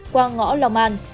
qua ngõ lòng an